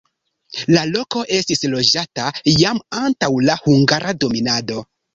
La loko estis loĝata jam antaŭ la hungara dominado.